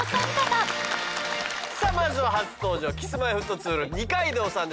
さあまずは初登場ＫｉｓーＭｙーＦｔ２の二階堂さんです。